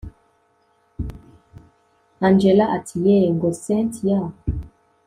angella ati yeeeh ngo cyntia